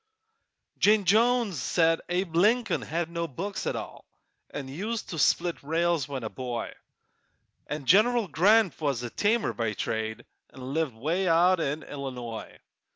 Jane Jones said Abe Lincoln had no books at all, An' used to split rails when a boy; An' General Grant was a tanner by trade An' lived 'way out in Illinois.